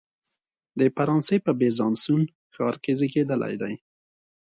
د فرانسې په بیزانسوون ښار کې زیږېدلی دی.